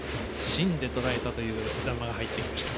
芯でとらえたという情報も入ってきました。